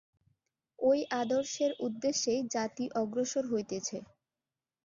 ঐ আদর্শের উদ্দেশ্যেই জাতি অগ্রসর হইতেছে।